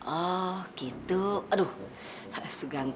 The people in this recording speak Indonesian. oh gitu aduh su ganteng